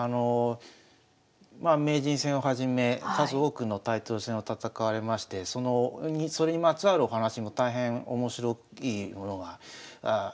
まあ名人戦をはじめ数多くのタイトル戦を戦われましてそれにまつわるお話も大変面白いものが多くありました。